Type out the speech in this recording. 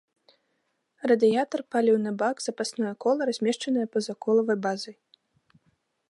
Радыятар, паліўны бак, запасное кола размешчаныя па-за колавай базай.